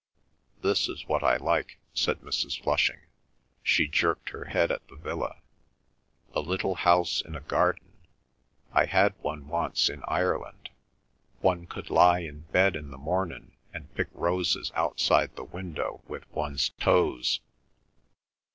"This is what I like," said Mrs. Flushing. She jerked her head at the Villa. "A little house in a garden. I had one once in Ireland. One could lie in bed in the mornin' and pick roses outside the window with one's toes."